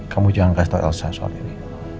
kamu jangan kasih tau elsa soal ini